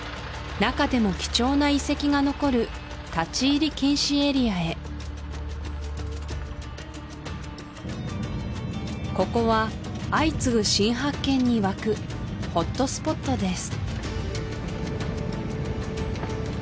中でも貴重な遺跡が残る立ち入り禁止エリアへここは相次ぐ新発見に沸くホットスポットです